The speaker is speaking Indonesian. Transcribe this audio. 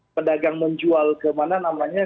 pedagang menjual ke mana namanya